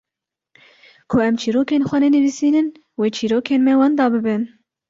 ku em çîrokên xwe nenivîsînin wê çîrokên me wenda bibin.